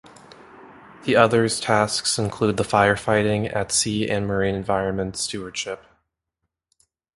The others tasks include the fire fighting at sea and marine environment stewardship.